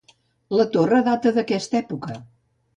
La torre data d'aquesta època.